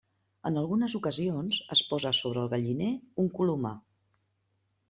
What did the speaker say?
En algunes ocasions es posa sobre el galliner un colomar.